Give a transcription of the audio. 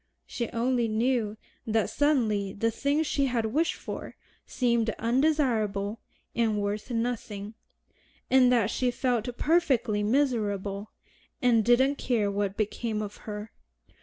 She only knew that suddenly the thing she had wished for seemed undesirable and worth nothing, and that she felt perfectly miserable, and "didn't care what became of her."